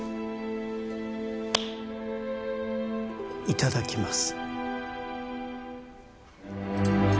いただきます